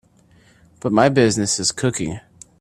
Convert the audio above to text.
But my business is cooking.